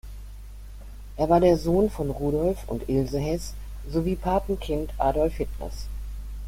Er war der Sohn von Rudolf und Ilse Heß sowie Patenkind Adolf Hitlers.